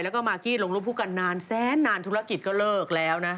แล้วก็มากกี้ลงรูปคู่กันนานแสนนานธุรกิจก็เลิกแล้วนะ